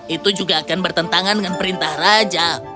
itu juga akan bertentangan dengan perintah raja